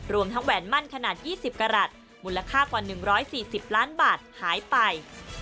รวมทั้งแหวนมั่นขนาด๒๐กรัฐมูลค่ากว่า๑๔๐ล้านบาทหายไป